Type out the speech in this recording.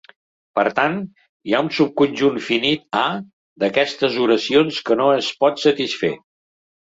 Per tant, hi ha un subconjunt finit "A" d'aquestes oracions que no es pot satisfer.